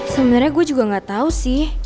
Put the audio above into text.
seenggaknya gue juga gak tau sih